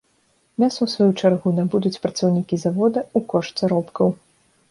Мяса ў сваю чаргу набудуць працаўнікі завода ў кошт заробкаў.